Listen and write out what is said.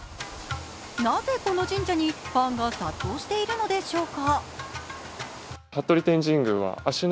なぜこの神社にファンが殺到しているのでしょうか？